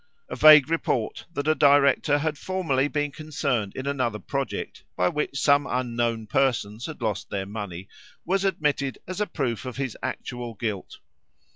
A vague report that a director had formerly been concerned in another project, by which some unknown persons had lost their money, was admitted as a proof of his actual guilt.